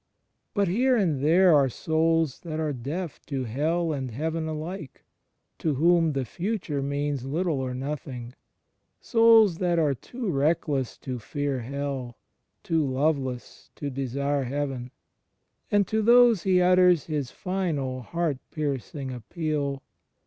But here and there are souls that are deaf to Hell and Heaven alike, to whom the future means little or nothing — souls that are too reckless to fear Hell, too loveless to desire Heaven. And to those He utters His final heart piercing appeal.